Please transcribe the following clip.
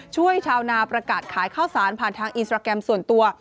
ชาวนาประกาศขายข้าวสารผ่านทางอินสตราแกรมส่วนตัว